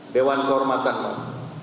dewan kehormatan pak